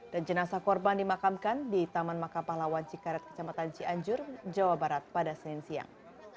dan jenazah korban dimakamkan di taman makapahlawan cikaret kecamatan cianjur jawa barat pada senin siang